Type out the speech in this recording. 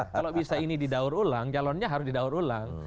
kalau bisa ini didaur ulang calonnya harus didaur ulang